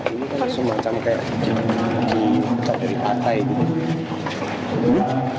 ini kan semacam kayak di cat dari patai gitu